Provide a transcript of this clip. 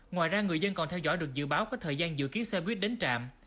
ngoài ra người dân còn theo dõi được dự báo có thời gian dự kiến xe buýt đến trạm